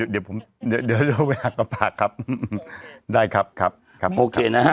มีคุณถามอะไรบ้างด้วยบ่อะไร